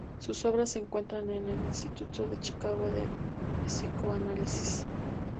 Sus obras se encuentran en el Instituto de Chicago de Psicoanálisis.